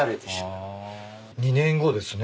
２年後ですね？